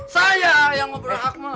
saya yang berhak mah